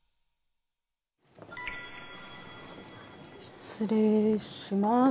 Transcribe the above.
失礼します。